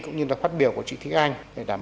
cũng như là phát biểu của chị thích anh